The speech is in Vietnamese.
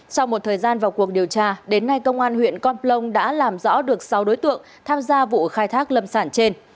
sau một thời gian vào cuộc điều tra đến nay công an huyện con plong đã làm rõ được sáu đối tượng tham gia vụ khai thác lâm sản trên